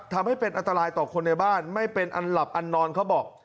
ทำให้เป็นอันตรายต่อคนในบ้านไม่เป็นอันหลับอันนอนเขาบอก